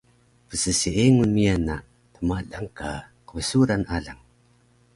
Psseengun miyan na tmalang ka qbsuran alang